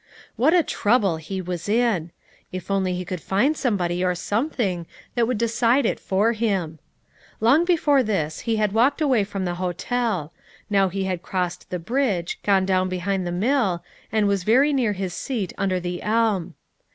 What a trouble he was in! If only he could find somebody or something that would decide it for him! Long before this he had walked away from the hotel; now he had crossed the bridge, gone around behind the mill, and was very near his seat under the elm.